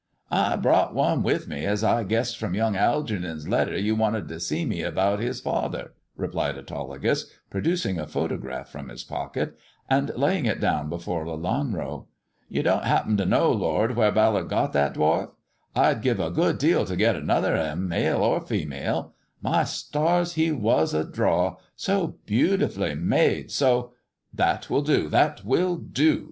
" I brought one with me, as I guessed from young Algeernon' s letter you wanted to see me about his father," replied Autolycus, producing a photograph from his pocket, and laying it down before Lelanro. "You don't happen to know, lord, where Ballard got that dwarf 1 I'd give a good deal to get another of 'em, male or female. My stars, he was a draw — so beautifully made, so "" That will do ! that will do